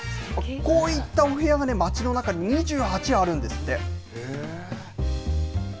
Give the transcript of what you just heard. こういったお部屋が町の中に２８あるんですって。